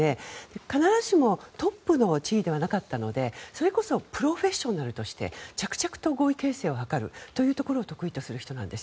必ずしもトップの地位ではなかったのでそれこそプロフェッショナルとして着々と合意形成を図ることを得意とする人なんです。